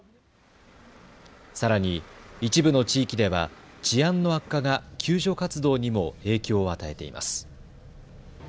さらに一部の地域では治安の悪化が救助活動にも影響を与えています。